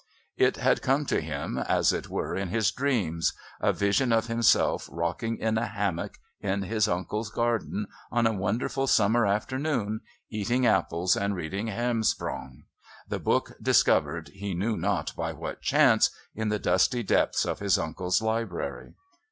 It had come to him, as it were, in his dreams a vision of himself rocking in a hammock in his uncle's garden on a wonderful summer afternoon, eating apples and reading Hermsprong, the book discovered, he knew not by what chance, in the dusty depths of his uncle's library.